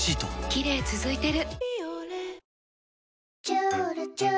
キレイ続いてる！